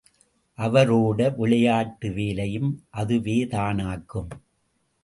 அவரோட விளையாட்டு வேலையும் அதுவேதானாக்கும்!